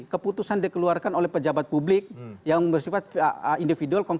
keputusan dikeluarkan oleh pejabat publik yang bersifat individual